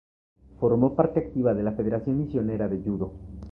Formó parte activa de la Federación Misionera de Yudo.